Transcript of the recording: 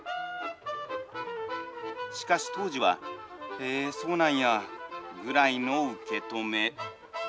しかし当時はへー、そうなんやぐらいの受け止め。